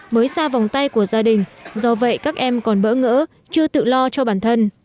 mới xa vòng tay của gia đình do vậy các em còn bỡ ngỡ chưa tự lo cho bản thân